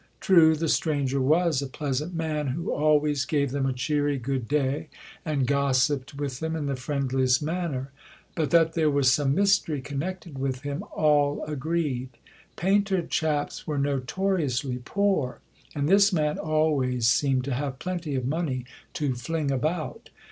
True, the stranger was a pleasant man who always gave them a cheery "good day," and gossiped with them in the friendliest manner. But that there was some mystery connected with him, all agreed. "Painter chaps" were notoriously poor, and this man always seemed to have plenty of money to fling about.